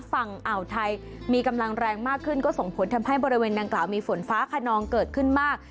ฝั่งอ่าวไทยมีกำลังแรงมากขึ้นก็ส่งผลทำให้บริเวณดังกล่าวมีฝนฟ้าขนองเกิดขึ้นมาก